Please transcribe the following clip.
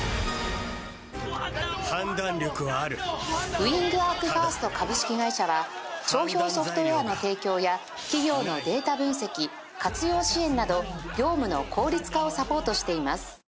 ウイングアーク １ｓｔ 株式会社は帳票ソフトウェアの提供や企業のデータ分析・活用支援など業務の効率化をサポートしています